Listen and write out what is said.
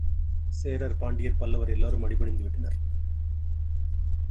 சேரர், பாண்டியர், பல்லவர் எல்லோரும் அடிபணிந்துவிட்டனர்.